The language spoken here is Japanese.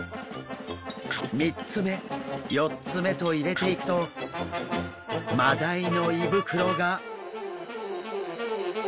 ３つ目４つ目と入れていくとマダイの胃袋が。